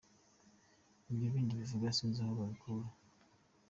Ibyo bindi bavuga sinzi aho babikura.